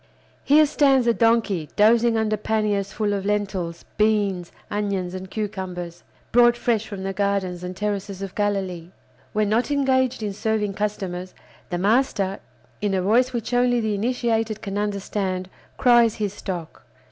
Here stands a donkey, dozing under panniers full of lentils, beans, onions, and cucumbers, brought fresh from the gardens and terraces of Galilee. When not engaged in serving customers, the master, in a voice which only the initiated can understand, cries his stock.